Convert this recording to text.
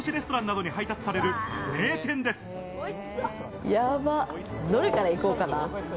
どれから行こうかな？